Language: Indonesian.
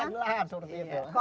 jadi ini juga bisa diperlukan